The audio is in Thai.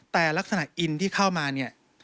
แต่ลักษณะอินที่เข้ามาเนี่ย